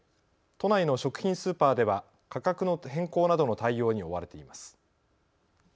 都内の食品スーパーでは価格の変更などの対応に追われています。